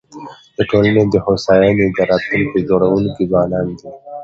د ټولني د هوساینې د راتلونکي جوړونکي ځوانان دي.